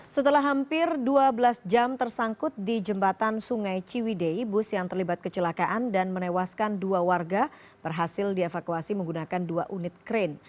setelah hampir dua belas jam tersangkut di jembatan sungai ciwidei bus yang terlibat kecelakaan dan menewaskan dua warga berhasil dievakuasi menggunakan dua unit krain